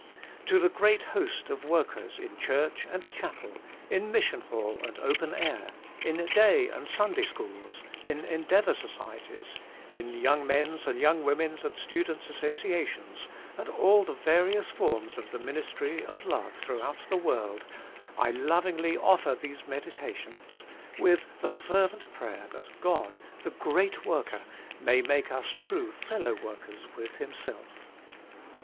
To the great host of workers in Church and Chapel, in Mission Hall and Open Air, in Day and Sunday Schools, in Endeavour Societies, in Y. M. and Y. W. and Students' Associations, and all the various forms of the ministry of love throughout the v/orld, I lovingly offer these meditations, with the fervent prayer that God, the Great Worker, may make us true Fellow Workers with Himself.